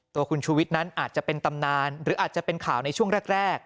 ตัวคุณชูวิทย์นั้นอาจจะเป็นตำนานหรืออาจจะเป็นข่าวในช่วงแรก